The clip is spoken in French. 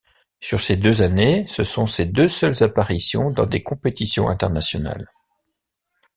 Sur ces deux années, ce sont ses deux seules apparitions dans des compétitions internationales.